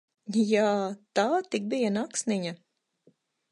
Jā, tā tik bija naksniņa!